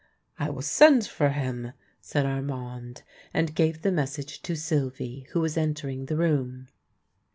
" I will send for him," said Armand, and gave the message to Sylvie, who was entering the room.